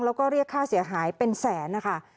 แล้วก็เรียกค่าเสียหายเป็นแสนนะคะ